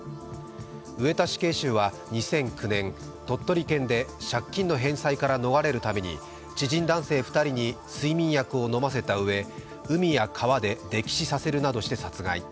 上田死刑囚は、２００９年鳥取県で借金の返済から逃れるために知人男性２人に睡眠薬を飲ませたうえ海や川で溺死させるなどして殺害。